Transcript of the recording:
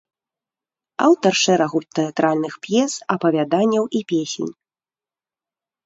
Аўтар шэрагу тэатральных п'ес, апавяданняў і песень.